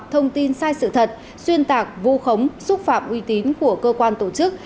thông tin sai sự thật xuyên tạc vu khống xúc phạm uy tín của cơ quan tổ chức